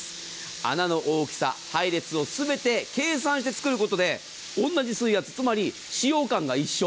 穴の大きさ配列を全て計算して作ることで同じ水圧、つまり使用感が一緒。